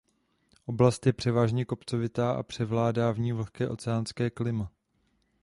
Oblast je převážně kopcovitá a převládá v ní vlhké oceánské klima.